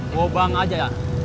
woh bang aja ya